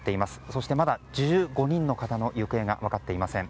そしてまだ１５人の方の行方が分かっていません。